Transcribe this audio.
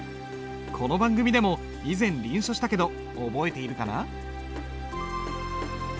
この番組でも以前臨書したけど覚えているかな？